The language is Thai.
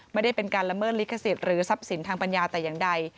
ไม่ได้เป็นการละเมิดลิขสิทธิ์หรือทรัพย์สินทางปัญญาแต่อย่างใด